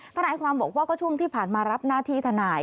ทนายความบอกว่าก็ช่วงที่ผ่านมารับหน้าที่ทนาย